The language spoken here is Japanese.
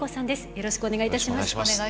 よろしくお願いします。